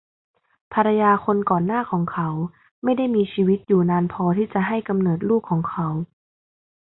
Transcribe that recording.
ภรรยาคนก่อนหน้าของเขาไม่ได้มีชีวิตอยู่นานพอที่จะให้กำเนิดลูกของเขา